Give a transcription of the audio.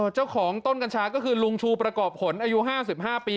เจ้าของต้นกัญชาก็คือลุงชูประกอบผลอายุ๕๕ปี